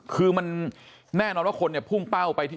คือมันแน่นอนว่าคนพุ่งเป้าไป